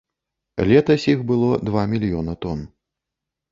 Летась іх было два мільёна тон.